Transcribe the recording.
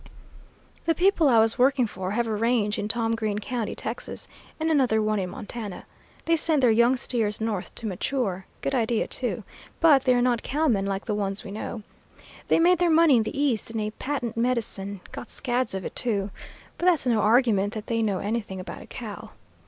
"The people I was working for have a range in Tom Green County, Texas, and another one in Montana. They send their young steers north to mature good idea, too! but they are not cowmen like the ones we know. They made their money in the East in a patent medicine got scads of it, too. But that's no argument that they know anything about a cow.